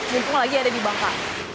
mumpung lagi ada di bangka